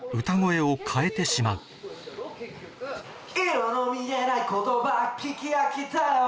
色の見えない言葉聞き飽きたよ